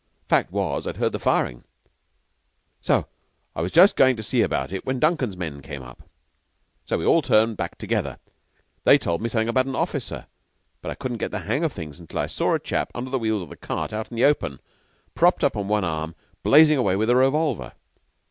Fact was, I'd heard the firing and was just going to see about it, when Duncan's men came up. So we all turned back together. They told me something about an officer, but I couldn't get the hang of things till I saw a chap under the wheels of the cart out in the open, propped up on one arm, blazing away with a revolver.